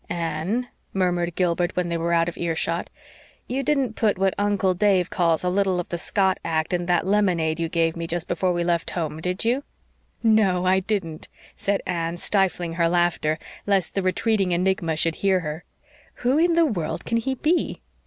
"Anne," murmured Gilbert, when they were out of earshot, "you didn't put what Uncle Dave calls 'a little of the Scott Act' in that lemonade you gave me just before we left home, did you?" "No, I didn't," said Anne, stifling her laughter, lest the retreating enigma should hear here. "Who in the world can he be?"